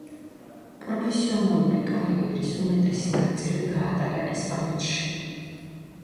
პროფესიონალური კარიერის უმეტესი ნაწილი გაატარა ესპანეთში.